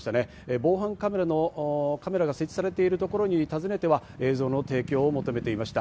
防犯カメラのカメラが設置されているところに訪ねては、映像の提供を求めていました。